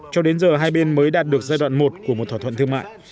cho đến giờ hai bên mới đạt được giai đoạn một của một thỏa thuận thương mại